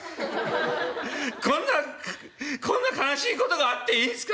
こんなこんな悲しいことがあっていいんすか？